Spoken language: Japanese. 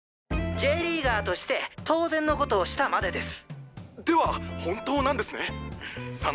Ｊリーガーとして当然のことをしたまでです！